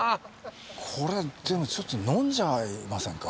これでもちょっと飲んじゃいませんか？